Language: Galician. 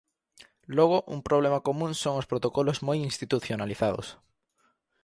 Logo un problema común son os protocolos moi institucionalizados.